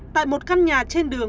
tại một căn nhà trên đường